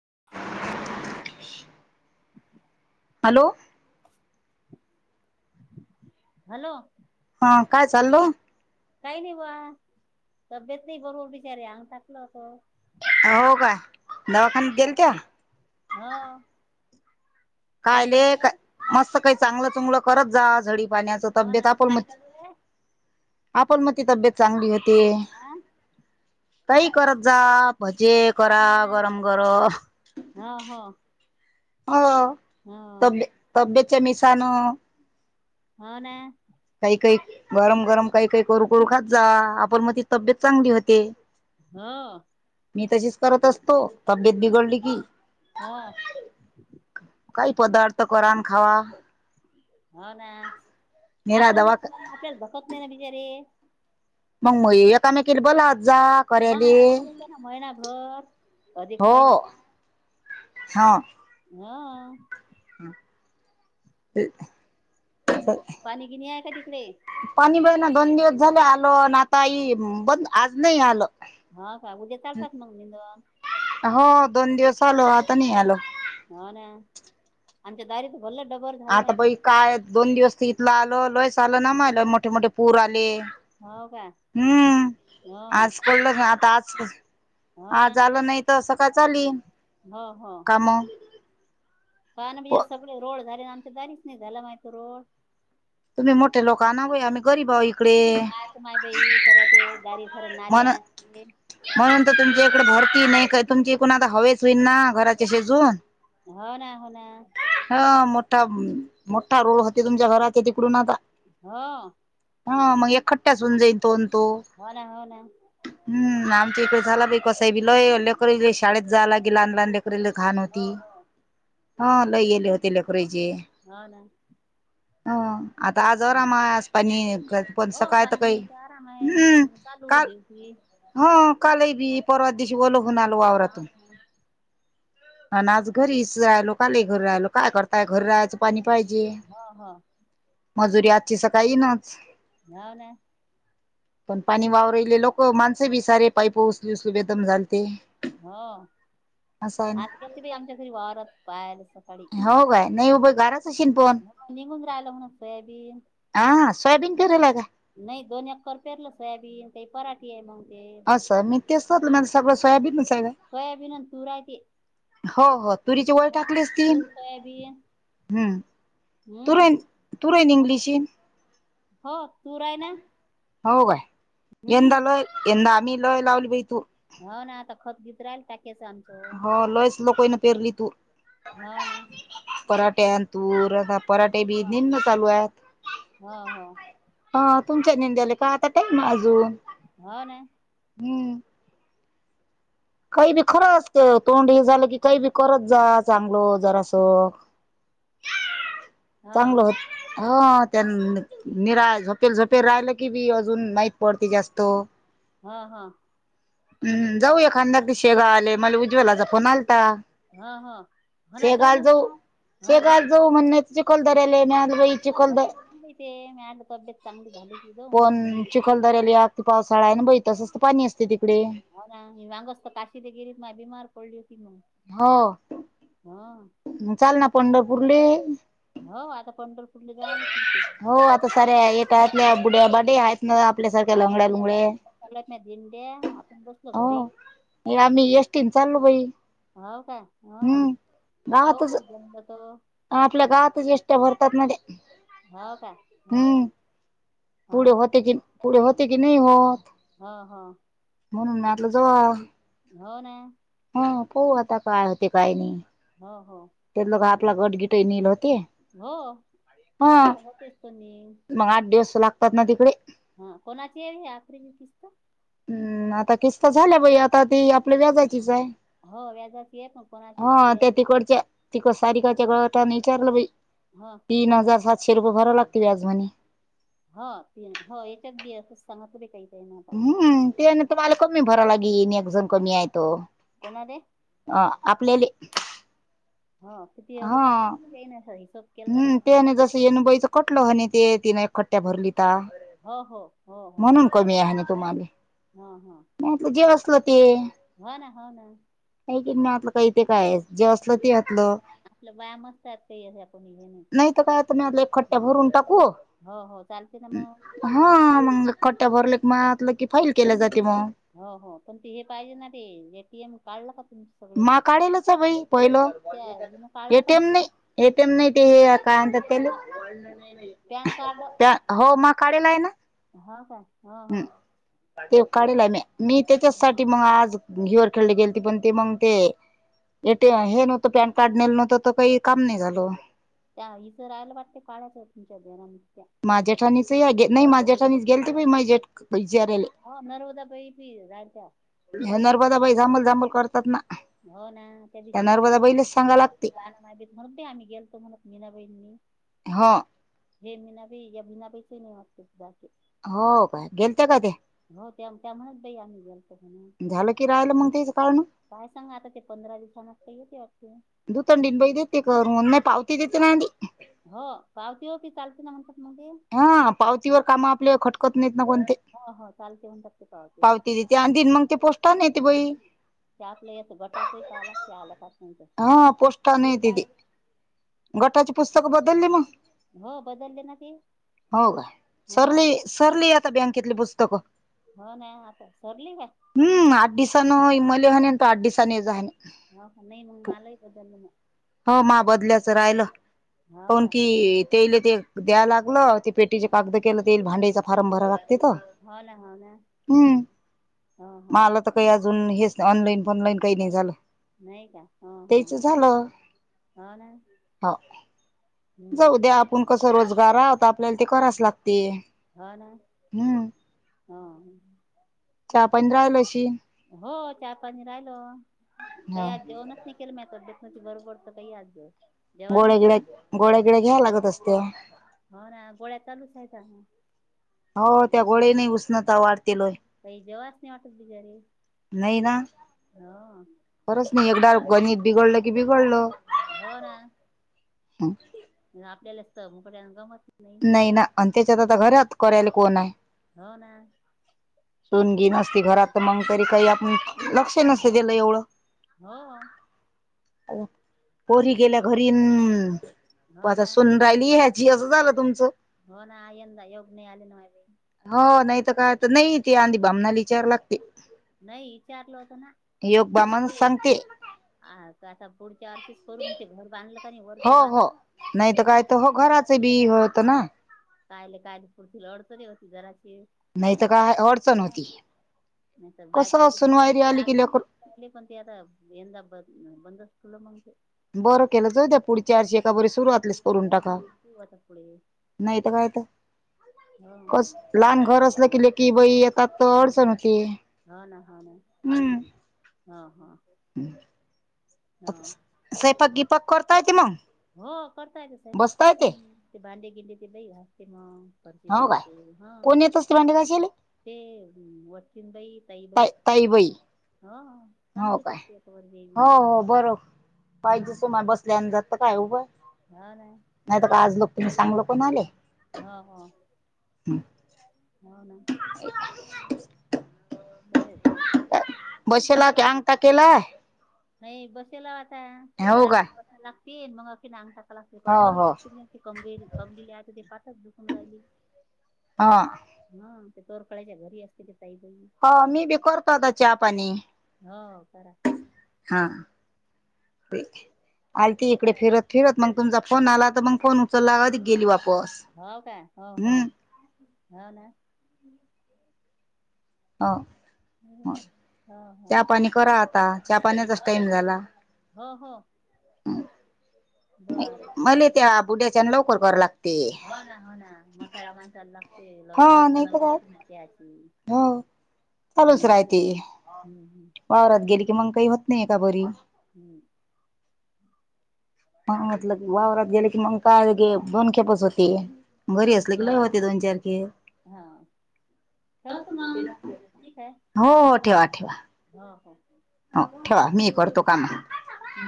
[unintelligible] Hello hello हा काय चालल काही नाही बा तब्येत नाही बरोबर बिचारी अग टाकल होत हो का दावाखान जलच्यां हो काय कायले चालू का आहे मस्त काही चांगलं चुगलं करत जा झडी पाण्याच हो तब्येत ना आप म काय चालू आहे आपण मग त तब्येत चांगली होती हा काही करत जा भजे करा गरम गरम हं, हं. हो तब तब्येतच्या मिशान. हो ना. काही काही गरम गरम काही काही करू करू खात जा. आपण मग ती तब्येत चांगली होते. हो मी तशीच करत असतो तब्येत बिघडली की [unintelligible] काही पदार्थ कन खावा होा ना निरा आपणच दवा आपल्याला भधकत नाही ना बिचारीे मग मग ये म बला होता म प येत ना महिना घर अधिक हो महिना हा हा हम ते पाणी गिणी आहे का तिकडे पाणी बाई दोन दिवस झाले आलो आणि आता आई बंद आज नाही आलं हा का उद्या चालतात मग निंदवन हो दोन दिवस आचालो आता नाही आलो हो ना आमच्या दारीच आता बाई काय दोन दिवस तर इथलं आलो. लयस आलं ना मलं मोठे मोठे पूर आले. हो का हम्म हो आज कोल ना आता आज हा झालं नाही तर असं काय चाली. हं, हं. काम हा ना [unintelligible] सगळीकडे रोड झाले आमच्या दारीचं नाही झाला माय तो रोड. तुम्ही मोठे लोक आणा बाई आम्ही गरीब आहो इकडे काय त माय बाई खरं ते दारी खर म्हण नाल्या [unintelligible] म्हणून तुमच्या इकडे भरती नाही का तुमचे तिकुण आता हवेच होईल ना घराचे शेजून. हो ना हो ना. हा मोठा मोठा रोड होते तुमच्या घराच्या तिकडून आता. हो. हा मग एकखट्ट्याच हून जाईन तो तो. हो ना हो ना हम्म आम इकडे झाला बाई कसाय बी लय लेकराले शाळेत जा लागे लहान लहान लेक [unintelligible] घाण होती हो हो हा लय हेले होते लेकरायचे. हो ना हं. आता हम्म. आजारामास पाणी [unintelligible] पण हो सकाळत पाणी काही. यायचा आराम आहे हम्म नाहीतर मग चालू काल ड्युटी. हो कालय बी. परवा दिवशी ओले होऊन आलो हो वावरातून ना आणि आज घरीच राहिलो काले घरी राहिलो काय करताय घरी राहायचं पाणी पाहिजे हं, हं. मजुरी आजची सकाळी नाच. हो ना. पण पाणी वावरले लोक माणसे बी सारे पाईप उचलू उचलू बेदम झाली. हम्म असं आहे आज ना कती बि आमच्या घरी वावरात [unintelligible] हो बाय नाही वो बाई गार निघून राहिलं म्हणे सोयाबीन. हा सोयाबीन करेल हा काय? नाही दोन एक कर पेरलं सोयाबीन काही पराठी आहे मग. ते असं बाकी मी तेस तर म्हटलं [unintelligible] सगळ सोयाबीनच हाय व्हय. सोयाबीन आणि तूर आहे ते. हो हो तुरीची वळ हा टाकली असती. तूर सोयाबीन हम्म. हम्म. तुरई, तुरई निदलीशी. हो तूर हाय ना? हो का हम्म यंदा लय यंदा आम्ही लय लावली बाई तूर. हो ना आता खतगीत राहिल टाकेच आमचं. लोकांनी पेरली तूर हो ना ते अन तूर अन पराठे बी निंदन चालू आहे हो हो [unintelligible] तुमच्या निंद्याला काय आता टाईम हाय अजून. हो ना हम्म. काही बी खरं असत तोंड हे झालं की काही बी करत जा चांगल जरास. [inaudible] चांगलं होत. हो त्यां निरा झोपेल झोपेल राहिलं की बी अजून माहीत पडते जास्त. हा, हा. हम् जाऊ एखाद्या [unintelligible] शेगांवले मला उज्वला चा फोन आल हो हो हो ना शेगांवला ना जाऊ मग शेगांवला जाऊ म्हणे [unintelligible] चिखलदऱ्यात [unintelligible] ते म्या म्हटलं तब्येत चांगली झाली की जाऊ म्हटलं मग. किती पावसाळ्या हाय बाई तसंच पाणी असतं तिक हो ना मी मागेच तर काशीला गेली होती तर बिमार पडली होती. हो हो चाल ना पंढरपूरले हो आता पंढरपुरले जायले पुरते आता साऱ्या हो ना येटातल्या बुढ्याबाढा पण आहे काय म्हणतो एका मागु माग चालल्याना दिंड्या आपण बसलो घरीच हो आम्ही एस टी न चाललो बाई हो का हो हम्म गावातच हो जमलं तर आपल्या गावातच एस टी भरतात त्या हो का हो हो हम्म हो पुढे ना होते की पुढे होते होते की नाही होत हो हो म्हणून म्हटलं जावा हो ना हा हो आता काय होते काही नाही हा हो [unintelligible] ते हो हा आता होतेच तो निम मग आठ दिवस लागतात ना तिकडे कोणाची हे आखरी किस्त हम्म आता किस्त झाल्या बाई आता ती आपल्या व्याजाचीच आहे. हो व्याजाची ये पण कोणाशी व्याची तारीखाच्या गटाने विचारलं ह तीन हजार सातशे रुपये भरा लागते व्याज म्हणे. हा तीन ह याच्यात ब असच सांगा तु रे काही त्यानं आता हम्म त्यान तम्हाला कमी भरायला गेन एक जण कमी आहे तो कोणाले ह आपल्याले [unintelligible] हम् तेने जसं येनुबाईचं कटल ह आणि ते तिने एकखट््ट्या भरली हो हो हो हो म्हणून कमी आहे ना तुम्हाला हा हा होते हो ना हो ना ी नाही आपलं काही ते काय जे असलं ते घातलं आपलं बाया मस्त आहेत का का नाहीत काय आता मी आला एक खट््ट्या भरून टाकू हो हो चालते ना मग हा मग कट्ट्या भरले म्हातलं की फाइल केल्या जाते मग हो हो पण ते हे पाहिजे ना ते एटीएम काढलं. तुमचं सगळं मा इथं काढलच बाई पहिलं. त्या हिनं काढलं का एटीएम नाही एटीएम नाही ते हे काय म्हणतात म्हण त्या पॅन कार्ड त्या हो मग काढला आहे ना. हा काय हा हा. काढला आहे मी मी त्याच्याचसाठी हा मग आज गेलेती पण ते मग ते एटी हे नव्हतं पॅन कार्ड नेल नव्हतं त काही काम नाही झाल त्या हचं राहायला वाटते काढयच तुमच्या बरा माझ्या ठाणीच नाही माझ्या ठाणीच गेल ते माझ्या हो नर्मदाबाई बी राहिलत्या विचार्याले हणार बाई जांभल जांभल करतात ना हो ना त्या दिशी म्हटलं नर्मदाबाईलाच सांगा लागते जाण नाहीेत म्हणत ब आम्ही गेलतो म्हणत मीनाबाईंनी हो [unintelligible] हो काय गेलते का ते? हो त्या त्या म्हणून तर यांनी त झालं की राहिलं मग तेच काढणं काय सांग आता ते पंधरा दिवसनात येत वाटत दुथंडीन बाई देते कर नाही पावती देते नाधी हो पावती हो की चालती ना म्हणतात मग ते हा पावतीवर काम आपल्या खटकत नाही न कोणते हो हो चालते म्हणतात ते पावतीवर पावती तिथे आणि तन मग ते पोस्टान येते बाई. ते आपलं याच गटाचय का आला ते आलं का काय? हा पोस्टाने येते ते गटाची पुस्तक बदलली मग हो बदलले ना ते हो का हा सरली सरली आता बँकेतली पुस्तकं. हो ना आता सरली का न इ मल हनी अंत आठ दिससानी यज हाननी. [unintelligible] हो मा बदल्याचं राहिलं हो पण का की ते ते द्याय लागलं ते पेटीचे कागद केलं तेईल भांडीचा फार्म भरा ला हो ना हो ना ् हो हो म तर काही अजून ऑनलाईन पॉनलाईन काही नाही झालं. नाही का हा हा त्याच झालं ह ना. हो हम्म जाऊ द्या आपण कसं रोजगार आहोत आपल्याला ते कराच लागत. हो ना ह. चहा पंधराल अशी हो चार पाणी राहिल काही ह आज जेवणच नि केेल मत म्ह बरोबर तर काही आज जास गोळ्या गिड्या गोळ्यागिड्या घ्या लागत असत्या. होा ना गोळ्या चालूच आहे का? हो त्या घोडे्या नाही उषणता वाटते. काही जेव्हाच नाही वाटत बिचारी नाही ना हा. खरंच नाही एकदा गणित बिघडलं कि बिघडलं. हो ना. हा. आपल्यालाचत मोक गमत. नाही ना आणि त्याच्यात आता घरात करायला कोण आहे. हो ना. सोणगी नसती घरात मग तरी काही आपण लक्ष नसे हो त्याला एवढं. हो पोरी गेल्या घरी हो आता ना सुन राहिली ह्याचीी असं झालं. तुमचं हो ना यंदा येऊग नाही आले ना माी हो नाही तर काय नाही तेी आंधी भामनालीिचार लागते. नाही विचारलो होत. योग बामाण सांगते. आ आता पुढच्या वर्षीच करून ते घर बांधलं. का नाही हो वरचं बांध हो नाही तर काय तर हो घराच जराशी का बी हो आता होतं ना. कायले काय पुढती लडतरी होती जरा नाही तर काय अडचण होती. बाट कसं सून वायरी आली की लेकर पण ते आता यंदा ब बंदुलं मग बरं केलं जाऊ द. पुढच्या आर्शी एका बरी सुरूातलीस करून टाका ठेऊ आता पुढे नाहीत काय तर हो कस लहान घर असलं किले की बाई आता अडचण हो. हा ना हा ना हा हा. स्वपाक दीपक करता येत मग हो करता येत साहेपाक बसता करत येते मग ते भांडे गिंडे ते बाही घासते मग घरचे हो काय पुसते. हा कोण येत असते भांडे कशले ते वचनबाई तईबाई ताई ताईबाई हो हो चांगली काय करत य वर ये. हो हो बरं पाहिजे सुमार बसल्यान जात काय उभा हो ना नाहीत का आज लोक तनी चांगलं कोण आले. हो हो हो ना. नाही. बसेला क अंग टा केला. नाही बसेल आता काय घराबार कसाय लागतील मग अखेनगतात. हो कंबरच हो कब कंबली आहे ते पाचच दुखून राहिली. ह हा ते तोरकळा्याच्या घरी असते. ताई बाई हो मी बी करतो होता चहा पाणी हो कराच ब. आली ती इकडे फिरत फिरत मग तुमचा फोन आला तर मग फोन उचलला कधी गेली वापर. हो का हो हो हो ना हा हम्म. हो हो चहा पाणी करा आता चहा पाण्याचाच हो टाइम झाला हो हो बर मले त्या बुढ्याच्या लवकर करां लागत. हो ना हो ना मथऱ्या माणसाला लागते हा लवकर नाही चला तर काय बघते त्याची. हो चालूच हम्म राहते हम्म हम्म वावरात गेली की मग काही होत नाही का बरी. हम्म. म म्हलं वावरात गेले की मग काय गे बनखेपच होती. घरी असली किला होते दोन चारखे ठवत म ठीकय हो हो ठेवा ठेवा हा ह. हो ठेवा मी करतो कामा हम्म